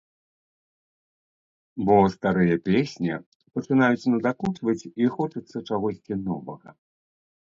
Бо старыя песні пачынаюць надакучваць і хочацца чагосьці новага.